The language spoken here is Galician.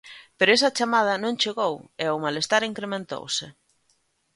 Pero esa chamada non chegou e o malestar incrementouse.